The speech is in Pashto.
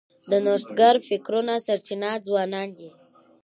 د نوښتګر فکرونو سرچینه ځوانان دي.